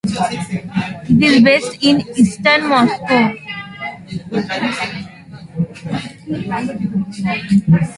It is based in Eastern Moscow.